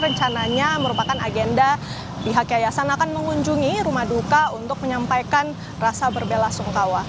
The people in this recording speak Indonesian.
rencananya merupakan agenda pihak yayasan akan mengunjungi rumah duka untuk menyampaikan rasa berbela sungkawa